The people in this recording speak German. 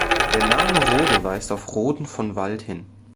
Der Name Rhode weist auf „Roden von Wald“ hin.